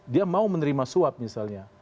dia mau menerima suap misalnya